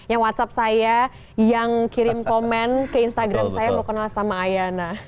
yang whatsapp saya yang kirim komen ke instagram saya mau kenal sama ayana